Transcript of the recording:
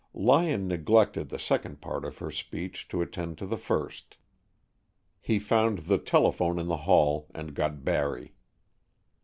Lyon neglected the second part of her speech to attend to the first. He found the telephone in the hall, and got Barry.